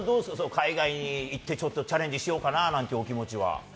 海外にチャレンジしようかななんていうお気持ちは？